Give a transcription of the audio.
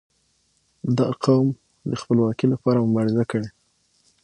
• دا قوم د خپلواکي لپاره مبارزه کړې.